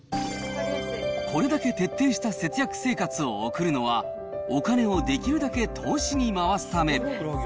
これだけ徹底した節約生活を送るのは、お金をできるだけ投資に回すため。